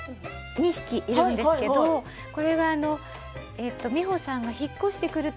２匹いるんですけどこれは美穂さんが引っ越してくると